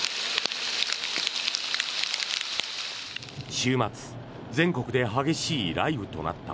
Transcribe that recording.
週末全国で激しい雷雨となった。